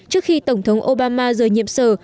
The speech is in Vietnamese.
trước khi tổng thống obama rời nhiệm sở